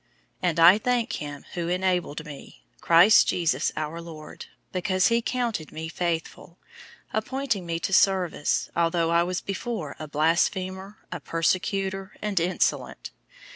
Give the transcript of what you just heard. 001:012 And I thank him who enabled me, Christ Jesus our Lord, because he counted me faithful, appointing me to service; 001:013 although I was before a blasphemer, a persecutor, and insolent.